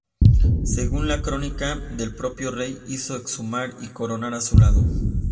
Según la crónica del propio rey, hizo exhumar y coronar a su lado.